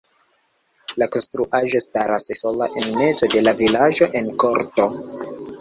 La konstruaĵo staras sola en mezo de la vilaĝo en korto.